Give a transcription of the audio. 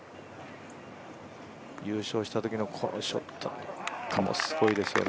優勝したときのこのショット、すごいですよね。